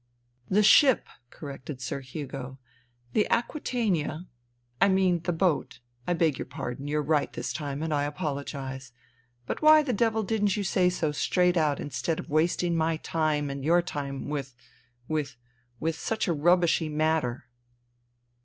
" The shiy,' corrected Sir Hugo. " The Aquitania ... I mean the boat ... I beg your pardon, you're right this time and I apologize. But why the devil didn't you say so straight out instead of wasting my time and your time with ... with ... with such a rubbishy matter